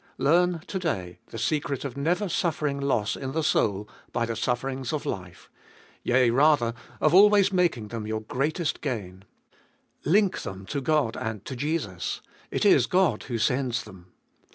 Learn to day the secret of never suffer ing loss in the soul by the sufferings of life — yea, rather, of always making them your greatest gain. Link them to God and to Jesus. It is God who sends them.